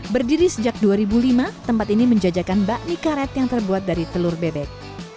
berdiri sejak dua ribu lima tempat ini menjajakan bakmi karet yang terbuat dari telur bebek